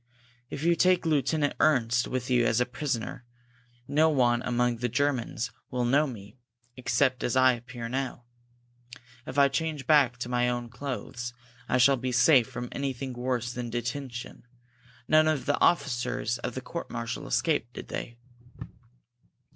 If you take Lieutenant Ernst with you as a prisoner, no one among the Germans will know me, except as I appear now. If I change back to my own clothes, I shall be safe from anything worse than detention. None of the officers of the court martial escaped, did they?"